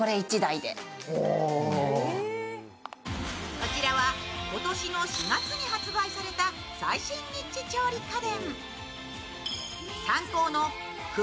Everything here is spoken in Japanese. こちらは、今年の４月に発売された最新ニッチ料理家電。